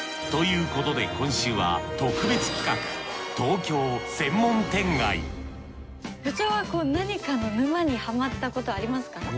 ということで今週は特別企画部長はこう何かの沼にハマったことありますか？